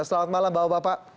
selamat malam bapak bapak